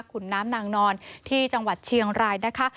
ขุนน้ำนางนอนที่จังหวัดเชียงรายนะคะ